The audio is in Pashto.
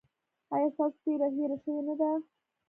ایا ستاسو تیره هیره شوې نه ده؟